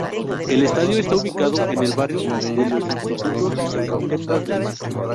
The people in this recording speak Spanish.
El estadio está ubicado en el Barrio de los Institutos, en Roquetas de Mar.